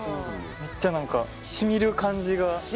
めっちゃ、しみる感じが。